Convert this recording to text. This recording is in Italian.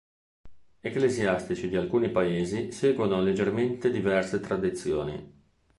Ecclesiastici di alcuni paesi seguono leggermente diverse tradizioni.